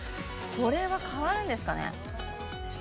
これは変わるんですかね